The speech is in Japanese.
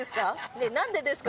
ねえなんでですか？